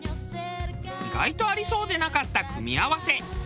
意外とありそうでなかった組み合わせ。